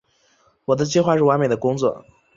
我的计划是完美的工作。